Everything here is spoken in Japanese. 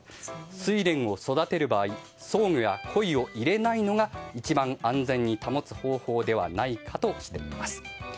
スイレンを育てる場合ソウギョやコイを入れないのが一番安全に保つ方法ではないかとしています。